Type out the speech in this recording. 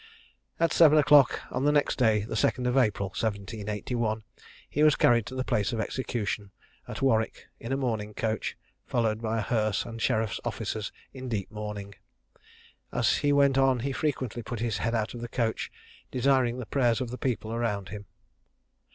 At seven o'clock on the next day, the 2nd of April, 1781, he was carried to the place of execution at Warwick, in a mourning coach, followed by a hearse and the sheriff's officers in deep mourning. As he went on he frequently put his head out of the coach, desiring the prayers of the people around him.